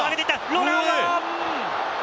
ロナウド！